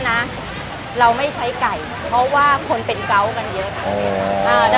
เราไม่ใช้ไก่เพราะว่าคนเป็นเกาะกันเยอะ